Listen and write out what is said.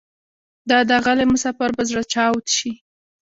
دا داغلی مسافر به زره چاود شي